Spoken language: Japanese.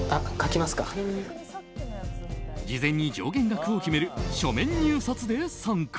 事前に上限額を決める書面入札で参加。